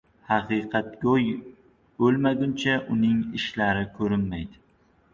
• Haqiqatgo‘y o‘lmaguncha uning ishlari ko‘rinmaydi.